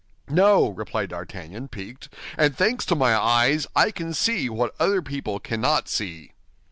"No," replied D'Artagnan, piqued, "and thanks to my eyes, I can see what other people cannot see."